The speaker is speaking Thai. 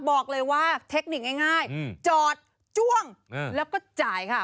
บอกเลยว่าเทคนิคง่ายจอดจ้วงแล้วก็จ่ายค่ะ